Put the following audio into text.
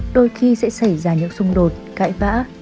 đôi khi sẽ xảy ra những xung đột cãi vã